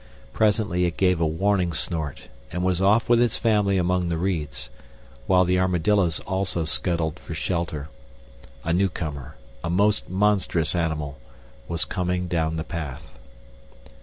Presently it gave a warning snort, and was off with its family among the reeds, while the armadillos also scuttled for shelter. A new comer, a most monstrous animal, was coming down the path.